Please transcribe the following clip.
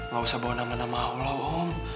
gak usah bawa nama nama allah om